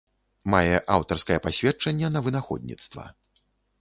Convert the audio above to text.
Мае аўтарскае пасведчанне на вынаходніцтва.